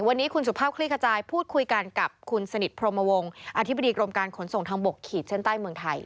วันนี้คุณสุภาพคลี่ขจายพูดคุยกันกับคุณสนิทพรมวงศ์อธิบดีกรมการขนส่งทางบกขีดเส้นใต้เมืองไทย